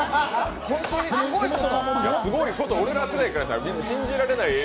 すごいこと、俺ら世代からしたら信じられない映像。